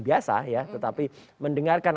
biasa ya tetapi mendengarkan